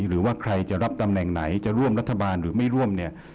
หรือว่าใครจะรับตำแหน่งไหนจะร่วมรัฐบาลหรือไม่ร่วมเนี่ย